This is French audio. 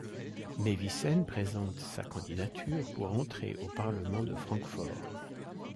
Mevissen présente sa candidature pour entrer au parlement de Francfort.